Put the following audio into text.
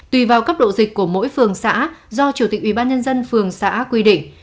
tùy vào cấp độ dịch của mỗi phường xã do chủ tịch ubnd phường xã quy định